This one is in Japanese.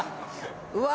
うわ。